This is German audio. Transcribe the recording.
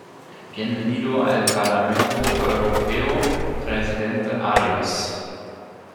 Bienvenido al Parlamento Europeo, Presidente Arias!